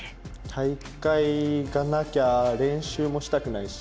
大会がなきゃ練習もしたくないし。